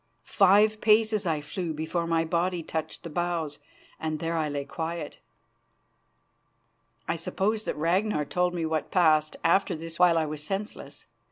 Five paces I flew before my body touched the boughs, and there I lay quiet. I suppose that Ragnar told me what passed after this while I was senseless.